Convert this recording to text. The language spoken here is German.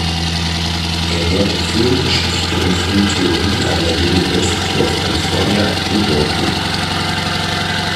Er lehrte Filmgeschichte und Filmtheorie an der University of California in Berkeley.